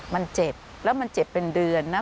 มันเจ็บแล้วมันเจ็บเป็นเดือนนะ